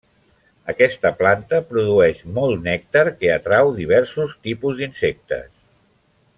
Aquesta planta produeix molt nèctar que atrau diversos tipus d’insectes.